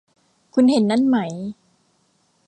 คุณเห็นนั่นไหม